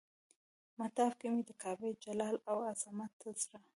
مطاف کې مې د کعبې جلال او عظمت ته زړه.